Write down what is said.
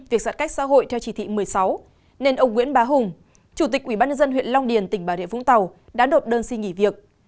việc giãn cách xã hội theo chỉ thị một mươi sáu nên ông nguyễn bá hùng chủ tịch ubnd huyện long điền tỉnh bà rịa vũng tàu đã nộp đơn xin nghỉ việc